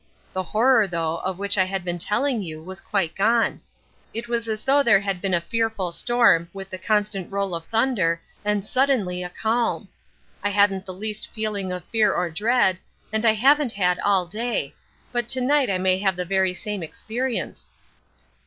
The horror, though, of which I had been telling you was quite gone. It was as if there had been a fearful storm, with the constant roll of thunder, and suddenly a calm. I hadn't the least feeling of fear or dread, and I haven't had all day; but to night I may have the very same experience."